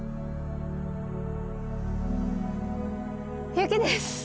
雪です。